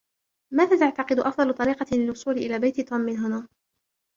ماذا تعتقد أفضل طريقة للوصول إلى بيت توم من هنا ؟